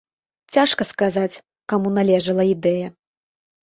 Цяжка сказаць, каму належала ідэя.